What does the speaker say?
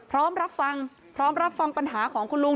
พร้อมรับฟังพร้อมรับฟังปัญหาของคุณลุง